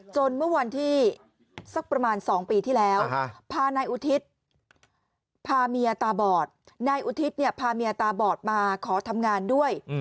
เมื่อวันที่สักประมาณ๒ปีที่แล้วพานายอุทิศพาเมียตาบอดนายอุทิศเนี่ยพาเมียตาบอดมาขอทำงานด้วย